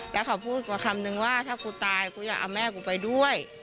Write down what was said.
แล้วเขาพูดกว่าคำนึงว่าถ้ากูตายกูอยากเอาแม่กูไปด้วย